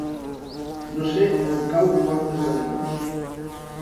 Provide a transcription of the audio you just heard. No sé on cau Cortes d'Arenós.